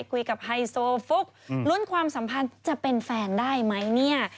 ไฮโซฟุกลุ้นความสัมพันธ์จะเป็นแฟนได้ไหมเนี่ย